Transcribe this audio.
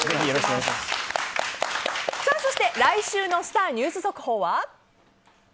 そして来週のスター☆ニュース速報は。